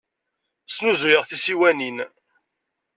Snuzuyeɣ tisiwanin.